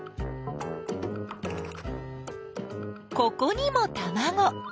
ここにもたまご！